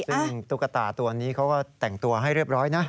ซึ่งตุ๊กตาตัวนี้เขาก็แต่งตัวให้เรียบร้อยนะ